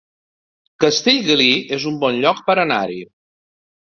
Castellgalí es un bon lloc per anar-hi